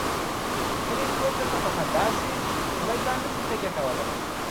کله چې څوک درته په خندا شي سړی ځان نه شي تکیه کولای.